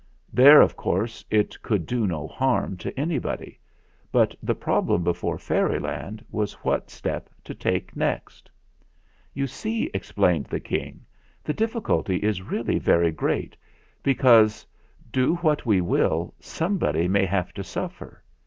There, of course, it could do no harm to anybody; but the problem before Fairyland was what step to take next. "You see," explained the King, "the diffi culty is really very great, because, do what we will, somebody may have to suffer.